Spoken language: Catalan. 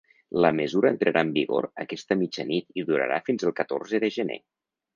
La mesura entrarà en vigor aquesta mitjanit i durarà fins el catorze de gener.